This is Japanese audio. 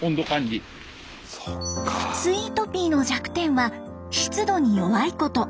スイートピーの弱点は湿度に弱いこと。